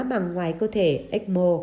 bằng ngoài cơ thể x mo